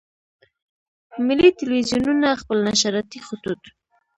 ملي ټلویزیونونه خپل نشراتي خطوط.